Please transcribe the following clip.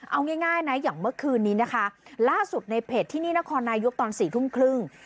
เอาง่ายนะอย่างเมื่อคืนนี้นะคะล่าสุดในเพจที่นี่นครนายกตอน๔ทุ่มครึ่ง